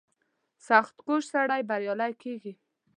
• سختکوش سړی بریالی کېږي.